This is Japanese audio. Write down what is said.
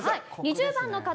２０番の方。